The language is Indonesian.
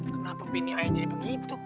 kenapa bini air jadi begitu